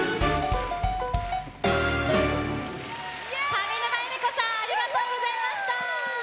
上沼恵美子さんありがとうございました。